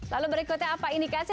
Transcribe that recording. lalu berikutnya apa ini kak